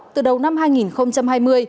từ đầu năm hai nghìn hai mươi